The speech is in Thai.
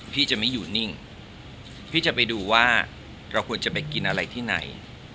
พี่จะไม่อยู่นิ่งพี่จะไปดูว่าเราควรจะไปกินอะไรที่ไหน